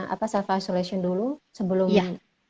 apa self isolation dulu sebelumnya